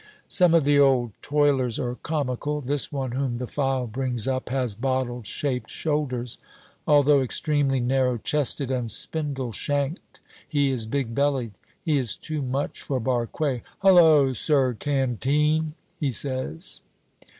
Some of the old toilers are comical. This one whom the file brings up has bottle shaped shoulders. Although extremely narrow chested and spindle shanked, he is big bellied. He is too much for Barque. "Hullo, Sir Canteen!" he says.